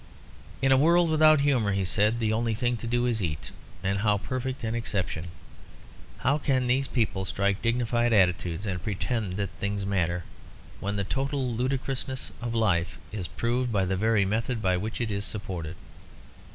"In a world without humour," he said, "the only thing to do is to eat. And how perfect an exception! How can these people strike dignified attitudes, and pretend that things matter, when the total ludicrousness of life is proved by the very method by which it is supported?